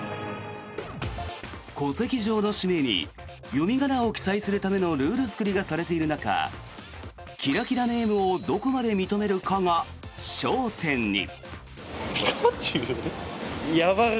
戸籍上の氏名に読み仮名を記載するためのルール作りがされている中キラキラネームをどこまで認めるかが焦点に。